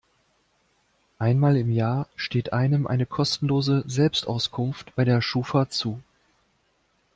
Einmal im Jahr steht einem eine kostenlose Selbstauskunft bei der Schufa zu.